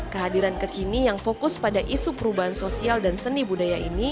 kehadiran kekini yang fokus pada isu perubahan sosial dan seni budaya ini